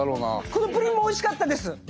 このプリンもおいしかったです。